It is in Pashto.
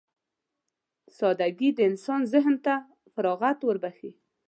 سادهګي د انسان ذهن ته فراغت وربښي.